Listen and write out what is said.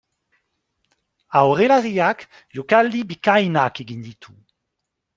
Aurrelariak jokaldi bikainak egin ditu.